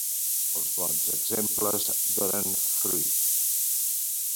Els bons exemples donen fruit.